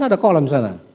ada kolam di sana